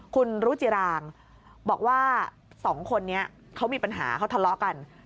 คุณรุจิรางบอกว่า๒คนนี้เขามีปัญหาเขาทะเลาะกัน